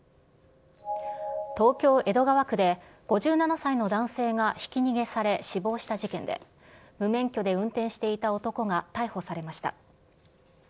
東京・江戸川区で、５７歳の男性がひき逃げされ、死亡した事件で、無免許で運転していた男が逮捕されました。